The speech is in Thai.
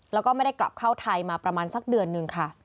แล้วก็ไม่ได้กลับเข้าไทยมาประมาณสักเดือนนึงค่ะ